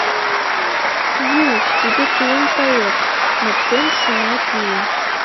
— Йӱ, тиде тыйын пает, — моктен шуна пийым.